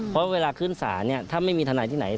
เพราะเวลาขึ้นสารถ้าไม่มีธนายฯที่ไหน